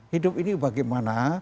hidup ini bagaimana